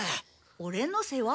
オレの世話？